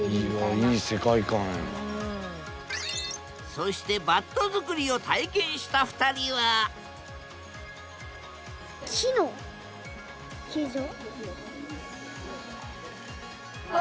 そしてバット作りを体験した２人はわ！